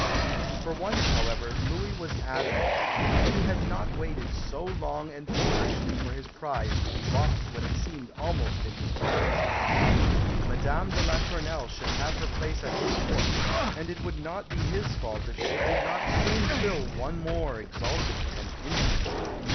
For once, however, Louis was adamant. He had not waited so long and feverishly for his prize to be baulked when it seemed almost in his grasp. Madame de la Tournelle should have her place at his Court, and it would not be his fault if she did not soon fill one more exalted and intimate.